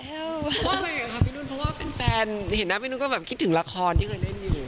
เพราะอะไรคะพี่นุ่นเพราะว่าแฟนเห็นหน้าพี่นุ่นก็แบบคิดถึงละครที่เคยเล่นอยู่